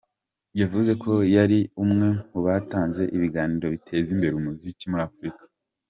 Yavuze ko yari umwe mu batanze ibiganiro biteza imbere umuziki muri Afurika.